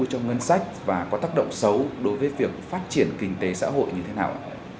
trong ngân sách và có tác động xấu đối với việc phát triển kinh tế xã hội như thế nào